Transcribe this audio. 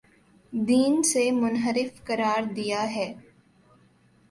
دین سے منحرف قرار دیا ہے